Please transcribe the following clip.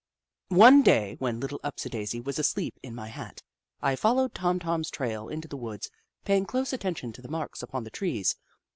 One day, when Little Upsidaisi was asleep in my hat, I followed Tom Tom's trail into the woods, paying close attention to the marks upon the trees.